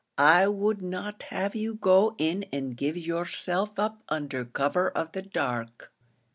I would not have you go in and give yourself up under cover of the dark.